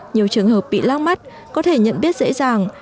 nhiều trường hợp bị lác mắt có thể nhận biết dễ dàng